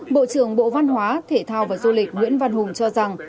bộ trưởng bộ văn hóa thể thao và du lịch nguyễn văn hùng cho rằng